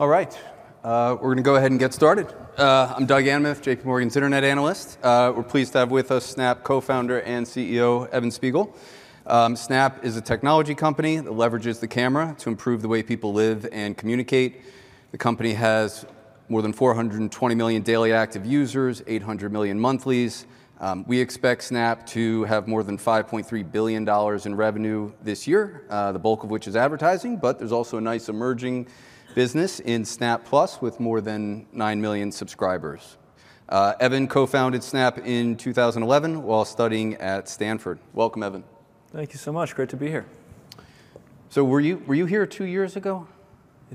All right, we're gonna go ahead and get started. I'm Doug Anmuth, J.P. Morgan's internet analyst. We're pleased to have with us Snap co-founder and CEO, Evan Spiegel. Snap is a technology company that leverages the camera to improve the way people live and communicate. The company has more than 420 million daily active users, 800 million monthlies. We expect Snap to have more than $5.3 billion in revenue this year, the bulk of which is advertising, but there's also a nice emerging business in Snap Plus, with more than 9 million subscribers. Evan co-founded Snap in 2011 while studying at Stanford. Welcome, Evan. Thank you so much. Great to be here. Were you, were you here two years ago?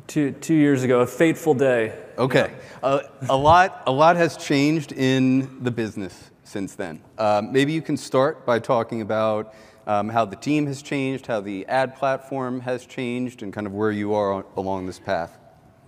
2 years ago, a fateful day. Okay. A lot, a lot has changed in the business since then. Maybe you can start by talking about how the team has changed, how the ad platform has changed, and kind of where you are on along this path.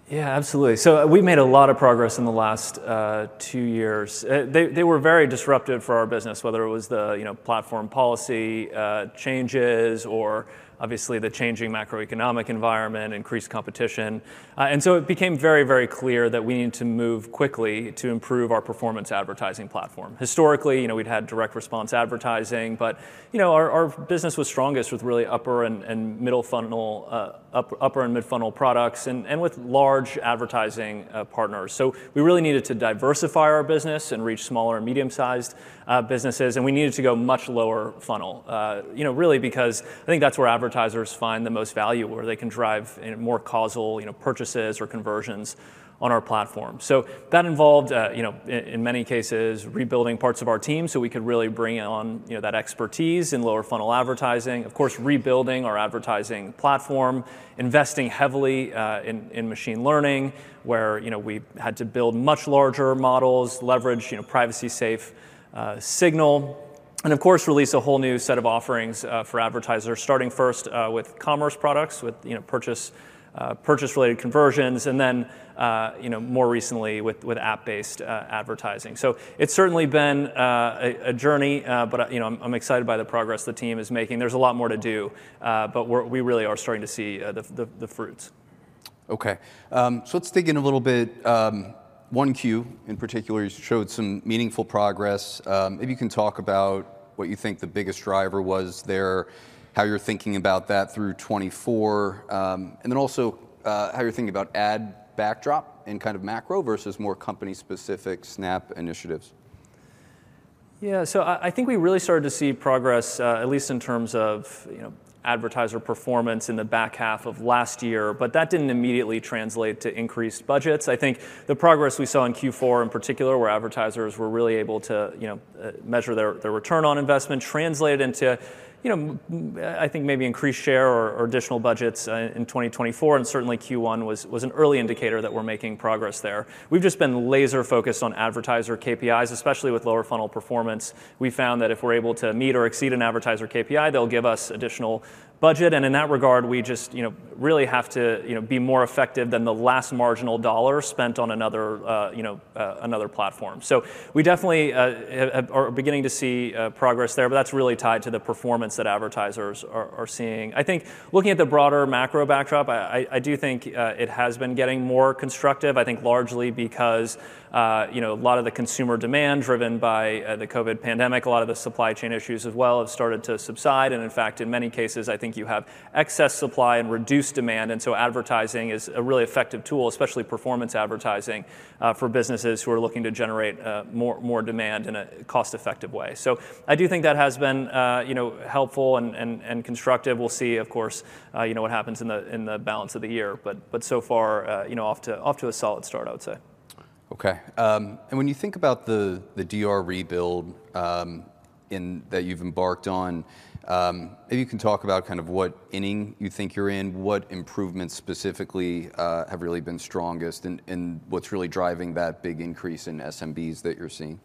Yeah, absolutely. So we've made a lot of progress in the last 2 years. They were very disruptive for our business, whether it was the, you know, platform policy changes or obviously the changing macroeconomic environment, increased competition. And so it became very, very clear that we needed to move quickly to improve our performance advertising platform. Historically, you know, we'd had direct response advertising, but, you know, our business was strongest with really upper and middle funnel, upper and mid-funnel products and with large advertising partners. So we really needed to diversify our business and reach smaller and medium-sized businesses, and we needed to go much lower funnel. You know, really because I think that's where advertisers find the most value, where they can drive more causal, you know, purchases or conversions on our platform. So that involved, you know, in many cases, rebuilding parts of our team so we could really bring on, you know, that expertise in lower funnel advertising. Of course, rebuilding our advertising platform, investing heavily in machine learning, where, you know, we had to build much larger models, leverage, you know, privacy-safe signal, and of course, release a whole new set of offerings for advertisers, starting first with commerce products, with, you know, purchase-related conversions, and then, you know, more recently with app-based advertising. So it's certainly been a journey, but, you know, I'm excited by the progress the team is making. There's a lot more to do, but we're really starting to see the fruits. Okay, so let's dig in a little bit. 1Q in particular, you showed some meaningful progress. Maybe you can talk about what you think the biggest driver was there, how you're thinking about that through 2024, and then also, how you're thinking about ad backdrop and kind of macro versus more company-specific Snap initiatives. Yeah, so I think we really started to see progress, at least in terms of, you know, advertiser performance in the back half of last year, but that didn't immediately translate to increased budgets. I think the progress we saw in Q4, in particular, where advertisers were really able to, you know, measure their return on investment, translate into, you know, I think maybe increased share or additional budgets in 2024, and certainly Q1 was an early indicator that we're making progress there. We've just been laser focused on advertiser KPIs, especially with lower funnel performance. We found that if we're able to meet or exceed an advertiser KPI, they'll give us additional budget, and in that regard, we just, you know, really have to, you know, be more effective than the last marginal dollar spent on another, you know, another platform. So we definitely are beginning to see progress there, but that's really tied to the performance that advertisers are seeing. I think looking at the broader macro backdrop, I do think it has been getting more constructive. I think largely because, you know, a lot of the consumer demand driven by the COVID pandemic, a lot of the supply chain issues as well, have started to subside, and in fact, in many cases, I think you have excess supply and reduced demand, and so advertising is a really effective tool, especially performance advertising, for businesses who are looking to generate more, more demand in a cost-effective way. So I do think that has been, you know, helpful and, and, and constructive. We'll see, of course, you know, what happens in the, in the balance of the year. But, but so far, you know, off to, off to a solid start, I would say. Okay. And when you think about the DR rebuild in that you've embarked on, maybe you can talk about kind of what inning you think you're in, what improvements specifically have really been strongest, and what's really driving that big increase in SMBs that you're seeing?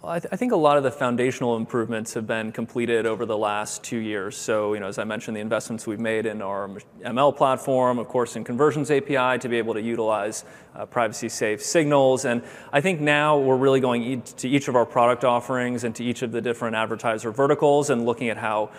Well, I think a lot of the foundational improvements have been completed over the last two years. So, you know, as I mentioned, the investments we've made in our ML platform, of course, in Conversions API, to be able to utilize privacy-safe signals, and I think now we're really going to each of our product offerings and to each of the different advertiser verticals, and looking at how,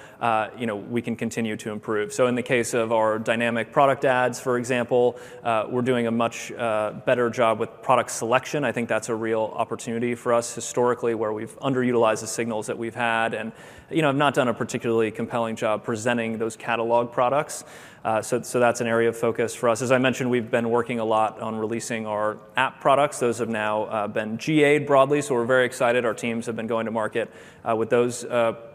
you know, we can continue to improve. So in the case of our Dynamic Product Ads, for example, we're doing a much better job with product selection. I think that's a real opportunity for us historically, where we've underutilized the signals that we've had and, you know, have not done a particularly compelling job presenting those catalog products. So that's an area of focus for us. As I mentioned, we've been working a lot on releasing our app products. Those have now been GA'd broadly, so we're very excited. Our teams have been going to market with those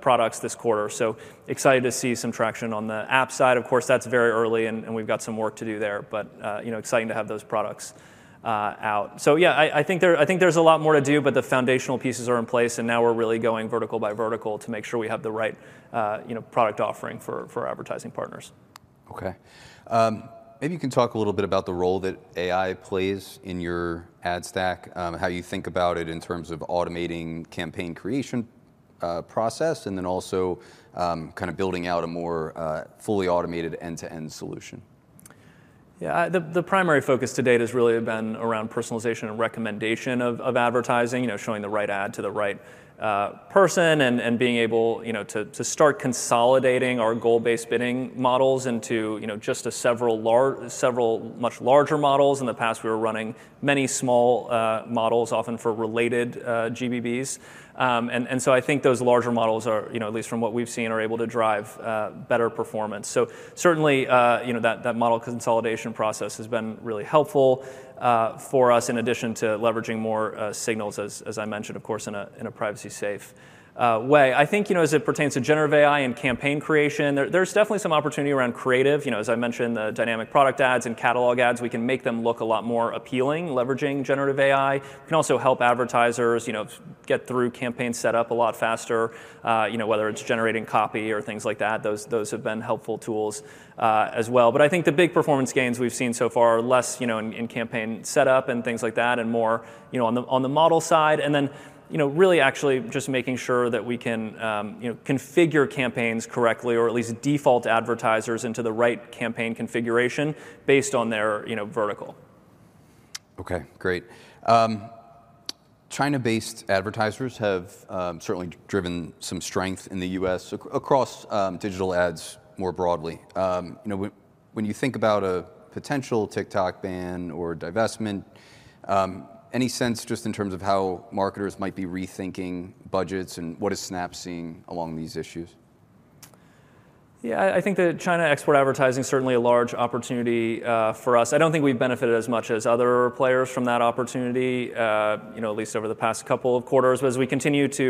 products this quarter. So excited to see some traction on the app side. Of course, that's very early and we've got some work to do there, but you know, exciting to have those products out. So yeah, I think there's a lot more to do, but the foundational pieces are in place, and now we're really going vertical by vertical to make sure we have the right product offering for advertising partners. Okay. Maybe you can talk a little bit about the role that AI plays in your ad stack, how you think about it in terms of automating campaign creation, process, and then also, kind of building out a more, fully automated end-to-end solution?... Yeah, the primary focus to date has really been around personalization and recommendation of advertising. You know, showing the right ad to the right person, and being able, you know, to start consolidating our goal-based bidding models into just several much larger models. In the past, we were running many small models, often for related GBBs. And so I think those larger models are, you know, at least from what we've seen, able to drive better performance. So certainly, you know, that model consolidation process has been really helpful for us, in addition to leveraging more signals as I mentioned, of course, in a privacy-safe way. I think, you know, as it pertains to generative AI and campaign creation, there's definitely some opportunity around creative. You know, as I mentioned, the Dynamic Product Ads and catalog ads, we can make them look a lot more appealing, leveraging generative AI. Can also help advertisers, you know, get through campaign setup a lot faster. You know, whether it's generating copy or things like that, those have been helpful tools, as well. But I think the big performance gains we've seen so far are less, you know, in campaign setup and things like that, and more, you know, on the model side, and then, you know, really actually just making sure that we can, you know, configure campaigns correctly, or at least default advertisers into the right campaign configuration based on their, you know, vertical. Okay, great. China-based advertisers have certainly driven some strength in the U.S. across digital ads more broadly. You know, when you think about a potential TikTok ban or divestment, any sense just in terms of how marketers might be rethinking budgets, and what is Snap seeing along these issues? Yeah, I think that China export advertising is certainly a large opportunity for us. I don't think we've benefited as much as other players from that opportunity, you know, at least over the past couple of quarters. But as we continue to,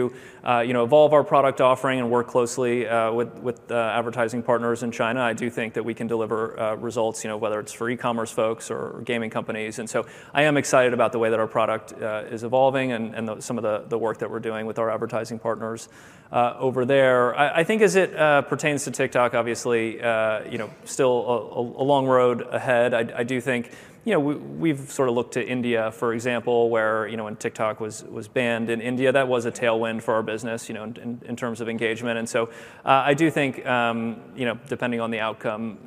you know, evolve our product offering and work closely with advertising partners in China, I do think that we can deliver results, you know, whether it's for e-commerce folks or gaming companies. And so I am excited about the way that our product is evolving, and the work that we're doing with our advertising partners over there. I think as it pertains to TikTok, obviously, you know, still a long road ahead. I do think, you know, we've sort of looked to India, for example, where, you know, when TikTok was banned in India, that was a tailwind for our business, you know, in terms of engagement. And so, I do think, you know, depending on the outcome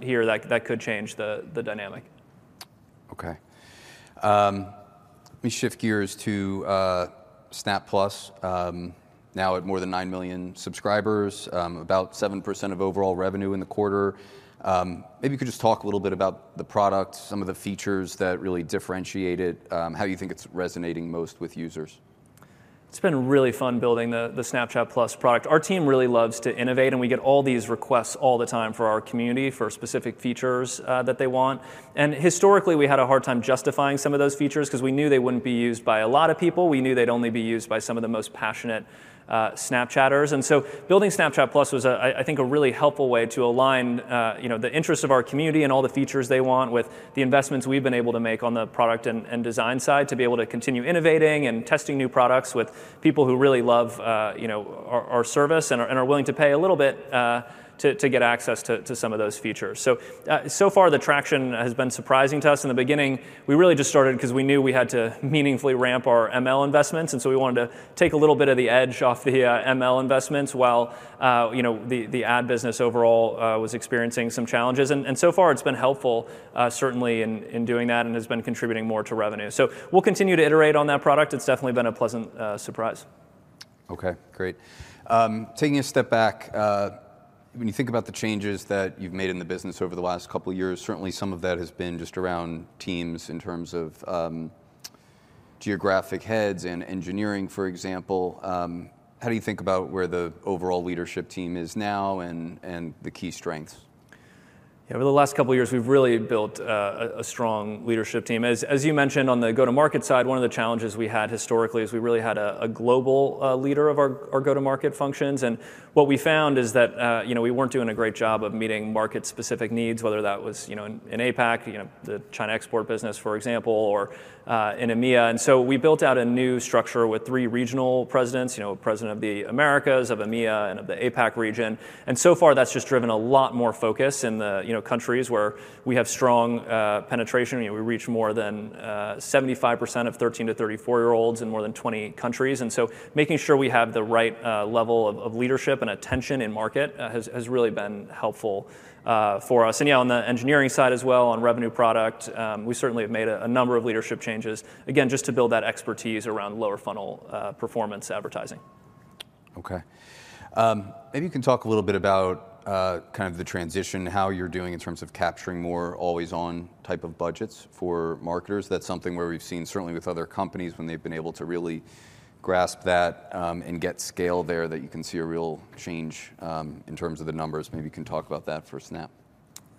here, that could change the dynamic. Okay. Let me shift gears to, Snap Plus. Now at more than 9 million subscribers, about 7% of overall revenue in the quarter. Maybe you could just talk a little bit about the product, some of the features that really differentiate it, how you think it's resonating most with users. It's been really fun building the Snapchat Plus product. Our team really loves to innovate, and we get all these requests all the time for our community for specific features that they want. And historically, we had a hard time justifying some of those features, because we knew they wouldn't be used by a lot of people. We knew they'd only be used by some of the most passionate Snapchatters. And so building Snapchat Plus was, I think, a really helpful way to align, you know, the interests of our community and all the features they want with the investments we've been able to make on the product and design side, to be able to continue innovating and testing new products with people who really love, you know, our service and are willing to pay a little bit to get access to some of those features. So far, the traction has been surprising to us. In the beginning, we really just started because we knew we had to meaningfully ramp our ML investments, and so we wanted to take a little bit of the edge off the ML investments while, you know, the ad business overall was experiencing some challenges. And so far it's been helpful, certainly in doing that, and has been contributing more to revenue. So we'll continue to iterate on that product. It's definitely been a pleasant surprise. Okay, great. Taking a step back, when you think about the changes that you've made in the business over the last couple of years, certainly some of that has been just around teams in terms of geographic heads and engineering, for example. How do you think about where the overall leadership team is now and the key strengths? Yeah, over the last couple of years, we've really built a strong leadership team. As you mentioned, on the go-to-market side, one of the challenges we had historically is we really had a global leader of our go-to-market functions, and what we found is that, you know, we weren't doing a great job of meeting market-specific needs, whether that was, you know, in APAC, the China export business, for example, or in EMEA. And so we built out a new structure with three regional presidents, you know, president of the Americas, of EMEA, and of the APAC region. And so far, that's just driven a lot more focus in the countries where we have strong penetration. You know, we reach more than 75% of 13- to 34-year-olds in more than 20 countries. So making sure we have the right level of leadership and attention in market has really been helpful for us. Yeah, on the engineering side as well, on revenue product, we certainly have made a number of leadership changes, again, just to build that expertise around lower funnel performance advertising. Okay. Maybe you can talk a little bit about, kind of the transition, how you're doing in terms of capturing more always-on type of budgets for marketers. That's something where we've seen, certainly with other companies, when they've been able to really grasp that, and get scale there, that you can see a real change, in terms of the numbers. Maybe you can talk about that for Snap.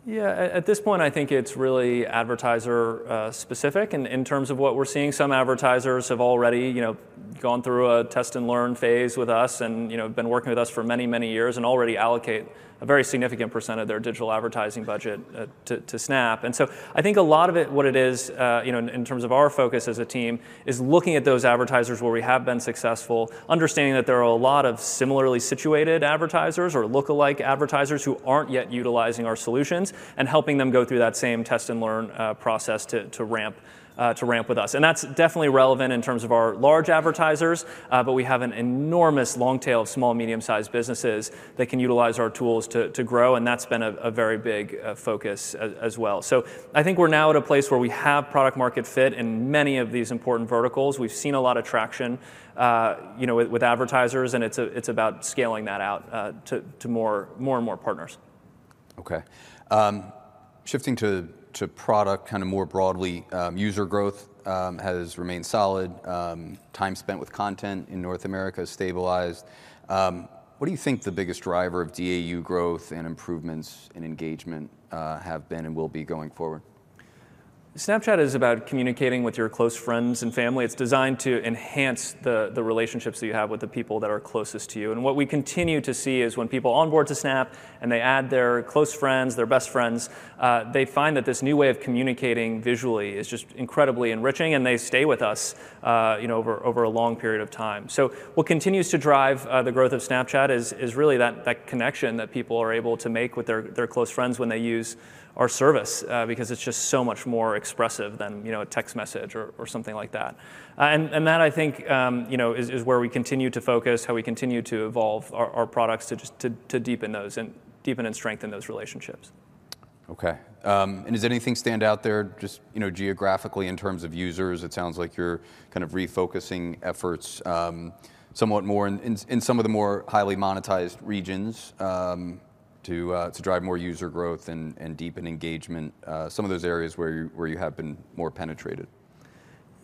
Yeah. At this point, I think it's really advertiser specific. In terms of what we're seeing, some advertisers have already, you know, gone through a test-and-learn phase with us and, you know, been working with us for many, many years and already allocate a very significant percent of their digital advertising budget to Snap. And so I think a lot of it, what it is, you know, in terms of our focus as a team, is looking at those advertisers where we have been successful, understanding that there are a lot of similarly situated advertisers or look-alike advertisers who aren't yet utilizing our solutions, and helping them go through that same test-and-learn process to ramp with us. That's definitely relevant in terms of our large advertisers, but we have an enormous long tail of small, medium-sized businesses that can utilize our tools to grow, and that's been a very big focus as well. I think we're now at a place where we have product market fit in many of these important verticals. We've seen a lot of traction, you know, with advertisers, and it's about scaling that out to more and more partners.... Okay. Shifting to product kind of more broadly, user growth has remained solid. Time spent with content in North America has stabilized. What do you think the biggest driver of DAU growth and improvements in engagement have been and will be going forward? Snapchat is about communicating with your close friends and family. It's designed to enhance the relationships that you have with the people that are closest to you. And what we continue to see is when people onboard to Snap, and they add their close friends, their best friends, they find that this new way of communicating visually is just incredibly enriching, and they stay with us, you know, over a long period of time. So what continues to drive the growth of Snapchat is really that connection that people are able to make with their close friends when they use our service. Because it's just so much more expressive than, you know, a text message or something like that. And that I think, you know, is where we continue to focus, how we continue to evolve our products to just deepen those and strengthen those relationships. Okay. And does anything stand out there just, you know, geographically in terms of users? It sounds like you're kind of refocusing efforts somewhat more in some of the more highly monetized regions to drive more user growth and deepen engagement some of those areas where you have been more penetrated.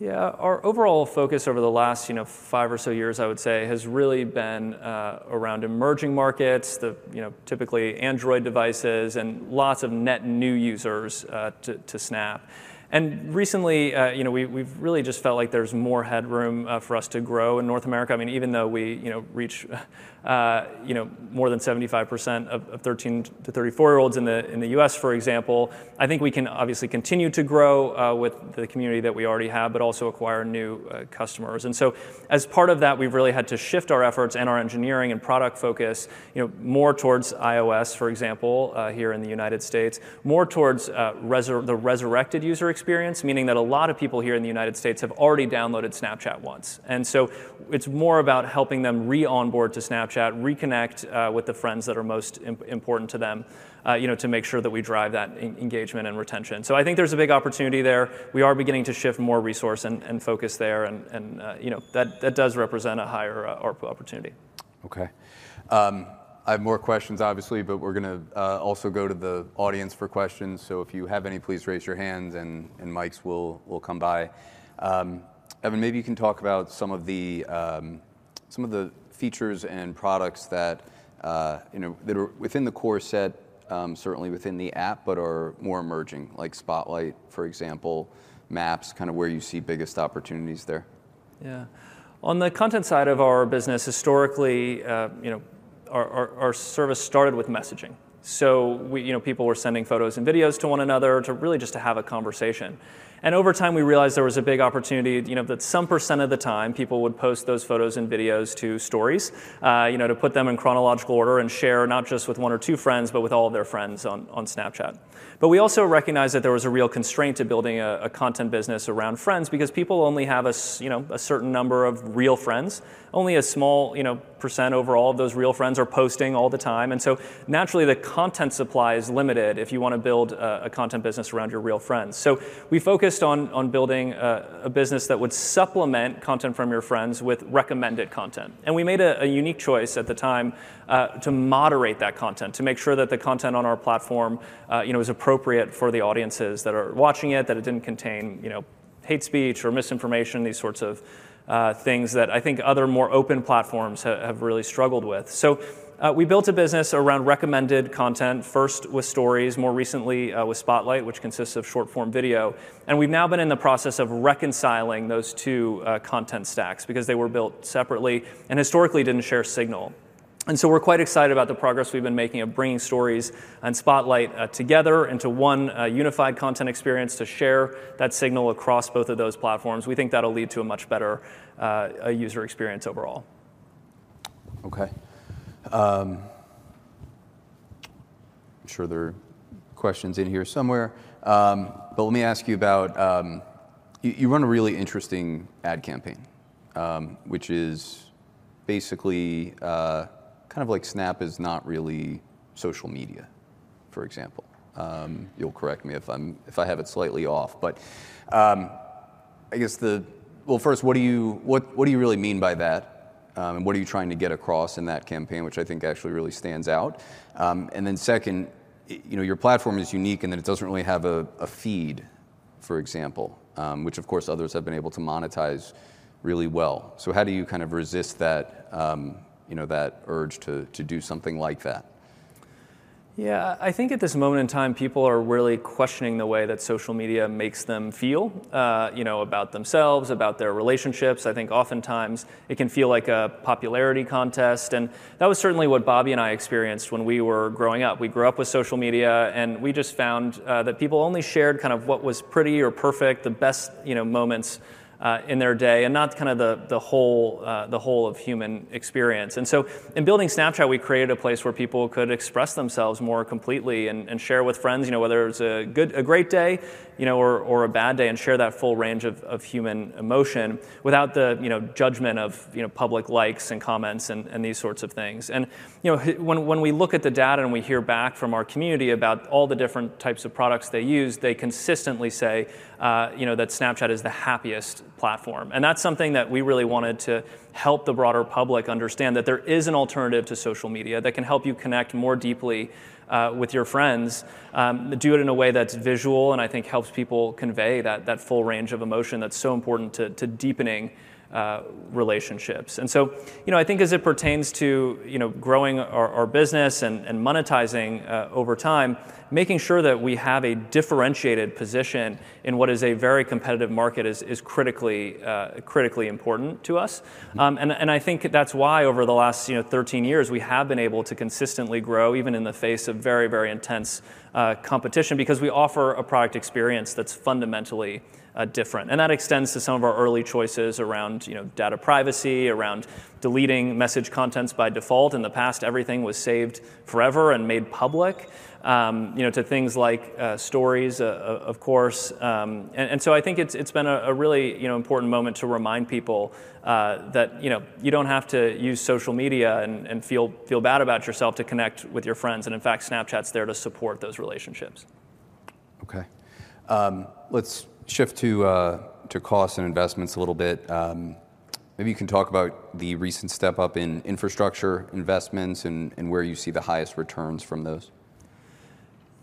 Yeah. Our overall focus over the last, you know, 5 or so years, I would say, has really been around emerging markets. The, you know, typically Android devices and lots of net new users to Snap. And recently, you know, we, we've really just felt like there's more headroom for us to grow in North America. I mean, even though we, you know, reach, you know, more than 75% of 13- to 34-year-olds in the U.S., for example, I think we can obviously continue to grow with the community that we already have, but also acquire new customers. And so as part of that, we've really had to shift our efforts and our engineering and product focus, you know, more towards iOS, for example, here in the United States. More towards the resurrected user experience, meaning that a lot of people here in the United States have already downloaded Snapchat once. And so it's more about helping them re-onboard to Snapchat, reconnect with the friends that are most important to them, you know, to make sure that we drive that engagement and retention. So I think there's a big opportunity there. We are beginning to shift more resource and focus there, and you know, that does represent a higher opportunity. Okay. I have more questions, obviously, but we're gonna also go to the audience for questions. So if you have any, please raise your hands and mics will come by. Evan, maybe you can talk about some of the features and products that you know that are within the core set, certainly within the app, but are more emerging, like Spotlight, for example, Maps, kind of where you see biggest opportunities there. Yeah. On the content side of our business, historically, you know, our service started with messaging. So you know, people were sending photos and videos to one another to really just to have a conversation. And over time, we realized there was a big opportunity, you know, that some percent of the time, people would post those photos and videos to Stories. You know, to put them in chronological order and share not just with one or two friends, but with all of their friends on Snapchat. But we also recognized that there was a real constraint to building a content business around friends because people only have you know, a certain number of real friends. Only a small, you know, percent overall of those real friends are posting all the time, and so naturally, the content supply is limited if you want to build a content business around your real friends. So we focused on building a business that would supplement content from your friends with recommended content. And we made a unique choice at the time to moderate that content, to make sure that the content on our platform, you know, is appropriate for the audiences that are watching it. That it didn't contain, you know, hate speech or misinformation, these sorts of things that I think other more open platforms have really struggled with. So we built a business around recommended content, first with Stories, more recently with Spotlight, which consists of short-form video. We've now been in the process of reconciling those two content stacks because they were built separately and historically didn't share signal. So we're quite excited about the progress we've been making of bringing Stories and Spotlight together into one unified content experience to share that signal across both of those platforms. We think that'll lead to a much better user experience overall. Okay. I'm sure there are questions in here somewhere. But let me ask you about... You run a really interesting ad campaign, which is basically kind of like Snap is not really social media, for example. You'll correct me if I have it slightly off. But I guess well, first, what do you really mean by that? And what are you trying to get across in that campaign, which I think actually really stands out? And then second, you know, your platform is unique in that it doesn't really have a feed, for example, which of course others have been able to monetize really well. So how do you kind of resist that, you know, that urge to do something like that?... Yeah, I think at this moment in time, people are really questioning the way that social media makes them feel, you know, about themselves, about their relationships. I think oftentimes it can feel like a popularity contest, and that was certainly what Bobby and I experienced when we were growing up. We grew up with social media, and we just found that people only shared kind of what was pretty or perfect, the best, you know, moments in their day, and not kind of the whole of human experience. And so in building Snapchat, we created a place where people could express themselves more completely and share with friends, you know, whether it's a good- a great day, you know, or a bad day, and share that full range of human emotion without the, you know, judgment of public likes and comments and these sorts of things. You know, when we look at the data and we hear back from our community about all the different types of products they use, they consistently say, you know, that Snapchat is the happiest platform. That's something that we really wanted to help the broader public understand, that there is an alternative to social media that can help you connect more deeply with your friends, do it in a way that's visual and I think helps people convey that full range of emotion that's so important to deepening relationships. So, you know, I think as it pertains to, you know, growing our business and monetizing over time, making sure that we have a differentiated position in what is a very competitive market is critically important to us. Mm-hmm. I think that's why over the last, you know, 13 years, we have been able to consistently grow, even in the face of very, very intense competition, because we offer a product experience that's fundamentally different. And that extends to some of our early choices around, you know, data privacy, around deleting message contents by default. In the past, everything was saved forever and made public. You know, to things like Stories, of course. And so I think it's been a really, you know, important moment to remind people that, you know, you don't have to use social media and feel bad about yourself to connect with your friends, and in fact, Snapchat's there to support those relationships. Okay. Let's shift to cost and investments a little bit. Maybe you can talk about the recent step-up in infrastructure investments and where you see the highest returns from those.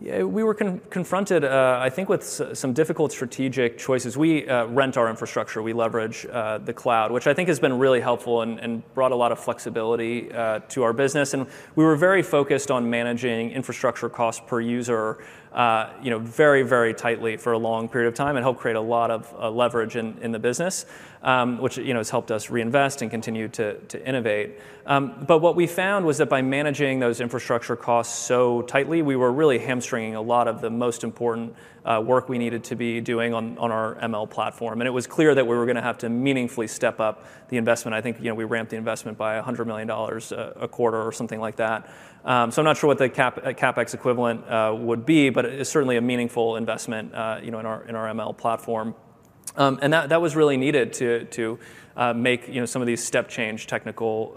Yeah, we were confronted, I think with some difficult strategic choices. We rent our infrastructure. We leverage the cloud, which I think has been really helpful and brought a lot of flexibility to our business. And we were very focused on managing infrastructure cost per user, you know, very, very tightly for a long period of time and helped create a lot of leverage in the business, which, you know, has helped us reinvest and continue to innovate. But what we found was that by managing those infrastructure costs so tightly, we were really hamstringing a lot of the most important work we needed to be doing on our ML platform, and it was clear that we were gonna have to meaningfully step up the investment. I think, you know, we ramped the investment by $100 million a quarter or something like that. So I'm not sure what the CapEx equivalent would be, but it is certainly a meaningful investment, you know, in our ML platform. And that was really needed to make, you know, some of these step-change technical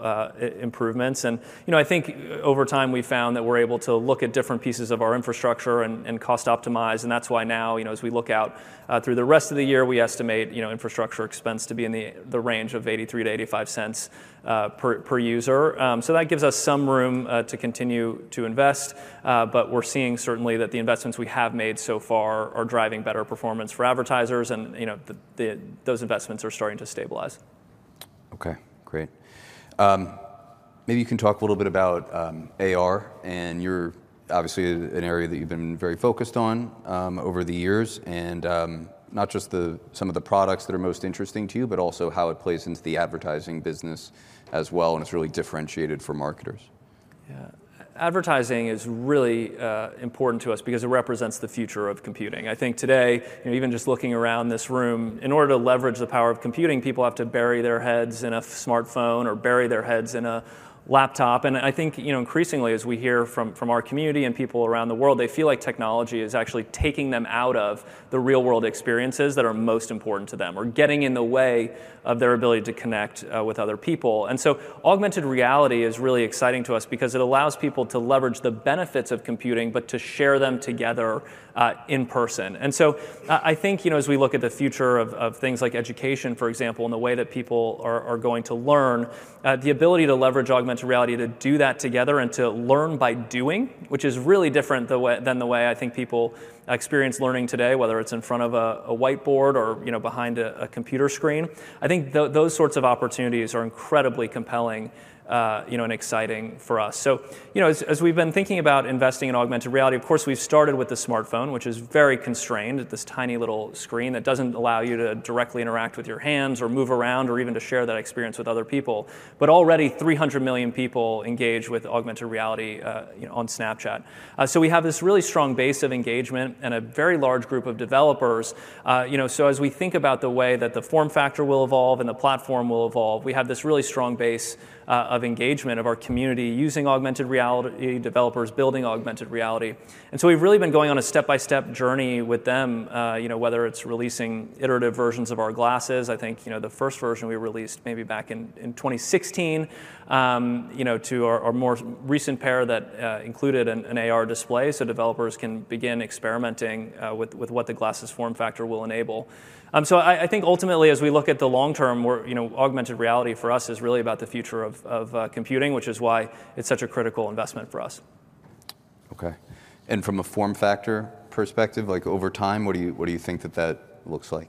improvements. And, you know, I think over time, we found that we're able to look at different pieces of our infrastructure and cost optimize, and that's why now, you know, as we look out through the rest of the year, we estimate, you know, infrastructure expense to be in the range of $0.83-$0.85 per user. So that gives us some room to continue to invest. But we're seeing certainly that the investments we have made so far are driving better performance for advertisers, and, you know, those investments are starting to stabilize. Okay, great. Maybe you can talk a little bit about AR, and it's obviously an area that you've been very focused on over the years. And not just some of the products that are most interesting to you, but also how it plays into the advertising business as well, and it's really differentiated for marketers. Yeah. Advertising is really important to us because it represents the future of computing. I think today, you know, even just looking around this room, in order to leverage the power of computing, people have to bury their heads in a smartphone or bury their heads in a laptop. And I think, you know, increasingly, as we hear from our community and people around the world, they feel like technology is actually taking them out of the real-world experiences that are most important to them or getting in the way of their ability to connect with other people. And so augmented reality is really exciting to us because it allows people to leverage the benefits of computing, but to share them together in person. I think, you know, as we look at the future of things like education, for example, and the way that people are going to learn, the ability to leverage augmented reality to do that together and to learn by doing, which is really different than the way I think people experience learning today, whether it's in front of a whiteboard or, you know, behind a computer screen. I think those sorts of opportunities are incredibly compelling, you know, and exciting for us. So, you know, as we've been thinking about investing in augmented reality, of course, we've started with the smartphone, which is very constrained at this tiny little screen that doesn't allow you to directly interact with your hands or move around or even to share that experience with other people. But already, 300 million people engage with augmented reality on Snapchat. So we have this really strong base of engagement and a very large group of developers. You know, so as we think about the way that the form factor will evolve and the platform will evolve, we have this really strong base of engagement of our community using augmented reality, developers building augmented reality. And so we've really been going on a step-by-step journey with them, you know, whether it's releasing iterative versions of our glasses. I think, you know, the first version we released maybe back in 2016, you know, to our more recent pair that included an AR display, so developers can begin experimenting with what the glasses' form factor will enable. So I think ultimately, as we look at the long term, we're, you know, augmented reality for us is really about the future of computing, which is why it's such a critical investment for us. Okay. From a form factor perspective, like over time, what do you, what do you think that that looks like? ...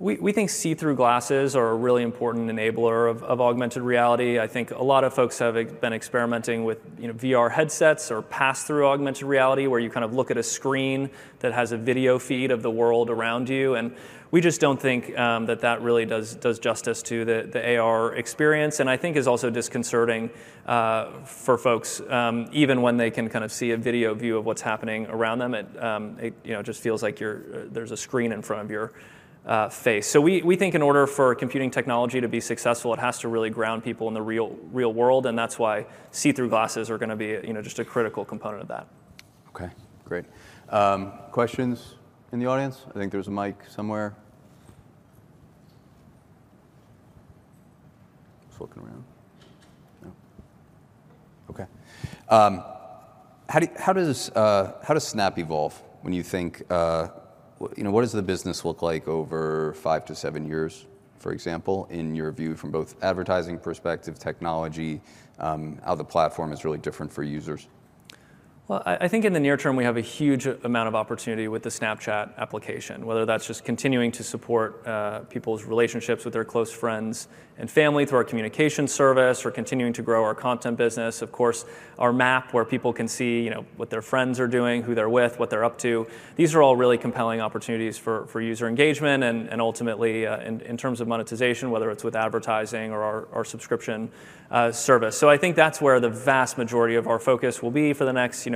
We think see-through glasses are a really important enabler of augmented reality. I think a lot of folks have been experimenting with, you know, VR headsets or pass-through augmented reality, where you kind of look at a screen that has a video feed of the world around you, and we just don't think that really does justice to the AR experience, and I think is also disconcerting for folks, even when they can kind of see a video view of what's happening around them. It, you know, just feels like you're there's a screen in front of your face. So we think in order for computing technology to be successful, it has to really ground people in the real, real world, and that's why see-through glasses are gonna be, you know, just a critical component of that. Okay, great. Questions in the audience? I think there's a mic somewhere. It's looking around. No. Okay. How does Snap evolve when you think, you know, what does the business look like over five to seven years, for example, in your view from both advertising perspective, technology, how the platform is really different for users? Well, I think in the near term, we have a huge amount of opportunity with the Snapchat application, whether that's just continuing to support people's relationships with their close friends and family through our communication service. We're continuing to grow our content business. Of course, our Map, where people can see, you know, what their friends are doing, who they're with, what they're up to. These are all really compelling opportunities for user engagement and ultimately in terms of monetization, whether it's with advertising or our subscription service. So I think that's where the vast majority of our focus will be for the next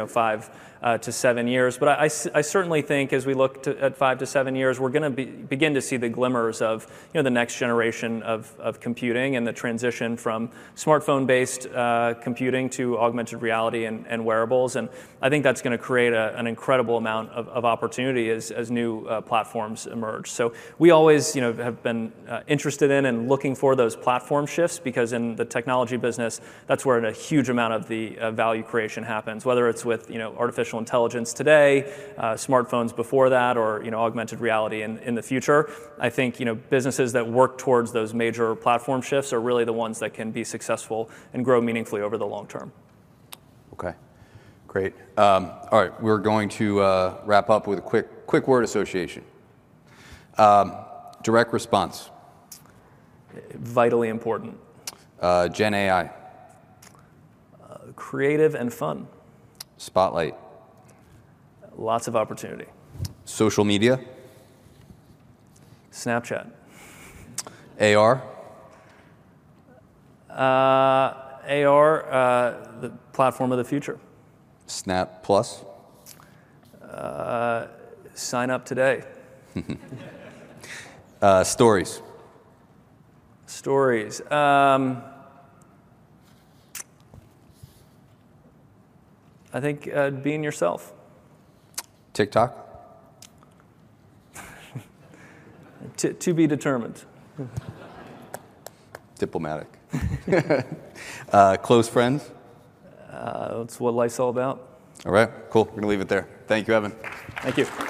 5-7 years. But I certainly think as we look at 5-7 years, we're gonna begin to see the glimmers of, you know, the next generation of computing and the transition from smartphone-based computing to augmented reality and wearables, and I think that's gonna create an incredible amount of opportunity as new platforms emerge. So we always, you know, have been interested in and looking for those platform shifts, because in the technology business, that's where a huge amount of value creation happens, whether it's with, you know, artificial intelligence today, smartphones before that, or, you know, augmented reality in the future. I think, you know, businesses that work towards those major platform shifts are really the ones that can be successful and grow meaningfully over the long term. Okay, great. All right, we're going to wrap up with a quick, quick word association. Direct response. Vitally important. Gen AI. Creative and fun. Spotlight. Lots of opportunity. Social media. Snapchat. AR? AR, the platform of the future. Snap Plus? Sign up today. Uh, Stories. Stories. I think, being yourself. TikTok? To be determined. Diplomatic. Close friends? It's what life's all about. All right, cool. We're gonna leave it there. Thank you, Evan. Thank you.